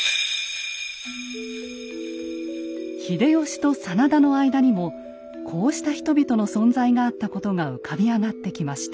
秀吉と真田の間にもこうした人々の存在があったことが浮かび上がってきました。